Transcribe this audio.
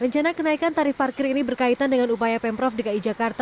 rencana kenaikan tarif parkir ini berkaitan dengan upaya pemprov dki jakarta